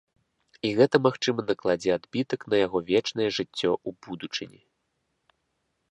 І гэта, магчыма, накладзе адбітак на яго вечнае жыццё ў будучыні.